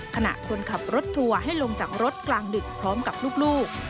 ขณะคนขับรถทัวร์ให้ลงจากรถกลางดึกพร้อมกับลูก